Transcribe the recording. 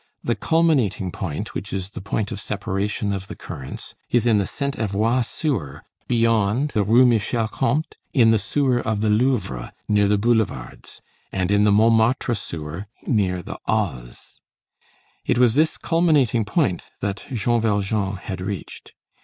The culminating point, which is the point of separation of the currents, is in the Sainte Avoye sewer, beyond the Rue Michel le Comte, in the sewer of the Louvre, near the boulevards, and in the Montmartre sewer, near the Halles. It was this culminating point that Jean Valjean had reached.